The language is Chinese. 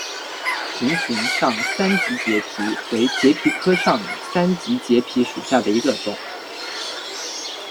瓶形上三脊节蜱为节蜱科上三脊节蜱属下的一个种。